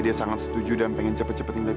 kamu jangan kesini dulu